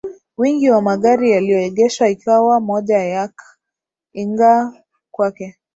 Wingi wa magari yaliyoegeshwa ikawa moja yak inga kwake